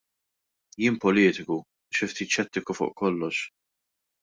Jiena politiku u jien ftit xettiku fuq kollox.